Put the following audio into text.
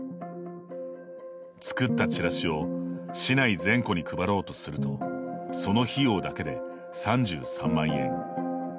作ったチラシを市内全戸に配ろうとするとその費用だけで３３万円。